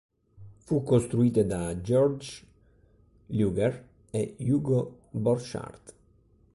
Fu costruita da Georg Luger e Hugo Borchardt.